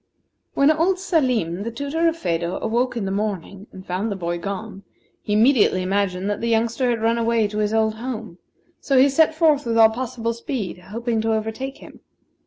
When old Salim, the tutor of Phedo, awoke in the morning and found the boy gone, he immediately imagined that the youngster had ran away to his old home; so he set forth with all possible speed, hoping to overtake him.